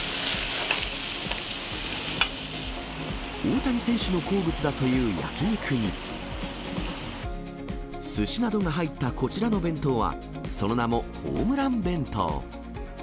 大谷選手の好物だという焼き肉に、すしなどが入ったこちらの弁当は、その名もホームラン弁当。